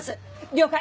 了解。